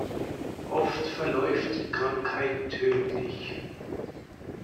Oft verläuft die Krankheit tödlich.